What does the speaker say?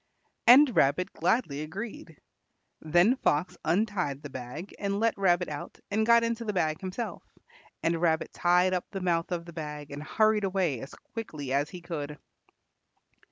And Rabbit gladly agreed. Then Fox untied the bag and let Rabbit out and got into the bag himself, and Rabbit tied up the mouth of the bag and hurried away as quickly as he could.